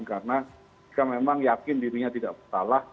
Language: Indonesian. karena kita memang yakin dirinya tidak salah